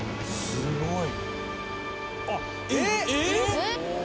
すごい。